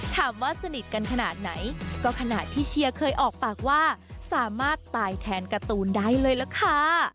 สนิทกันขนาดไหนก็ขณะที่เชียร์เคยออกปากว่าสามารถตายแทนการ์ตูนได้เลยล่ะค่ะ